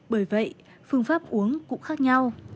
bởi vậy phương pháp uống cũng khác nhau